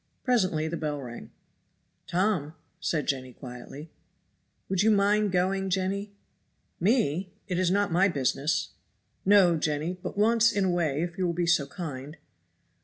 Presently the bell rang. "Tom!" said Jenny quietly. "Would you mind going, Jenny?" "Me! it is not my business." "No, Jenny! but once in a way if you will be so kind."